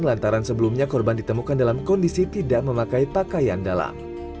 lantaran sebelumnya korban ditemukan dalam kondisi tidak memakai pakaian dalam